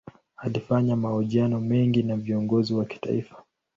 Alifanya mahojiano mengi na viongozi wa kimataifa.